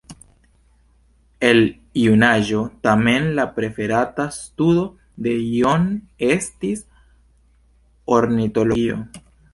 El junaĝo tamen la preferata studo de John estis ornitologio.